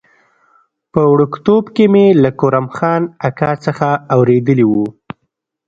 په وړکتوب کې مې له کرم خان اکا څخه اورېدلي و.